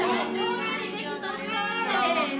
せの！